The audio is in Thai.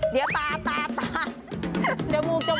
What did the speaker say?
เดี๋ยวตา